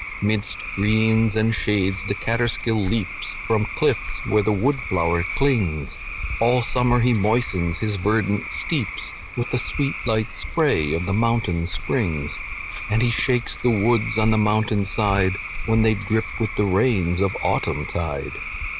"Midst greens and shades the Catterskill leaps From cliffs where the wood flower clings; All summer he moistens his verdant steeps With the sweet light spray of the mountain springs; And he shakes the woods on the mountain side, When they drip with the rains of autumn tide.